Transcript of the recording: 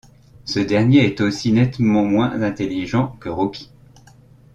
Ce dernier est aussi nettement moins intelligent que Rocky.